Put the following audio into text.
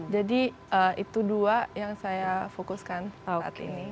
jadi itu dua yang saya fokuskan saat ini